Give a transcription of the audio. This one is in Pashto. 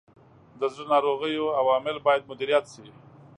د زړه ناروغیو عوامل باید مدیریت شي.